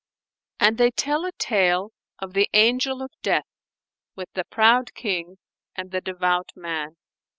And they tell a tale of THE ANGEL OF DEATH WITH THE PROUD KING AND THE DEVOUT MAN.